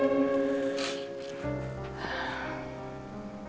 neng abah selalu nungguin